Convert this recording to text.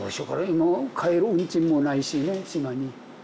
もう帰る運賃もないしね島に。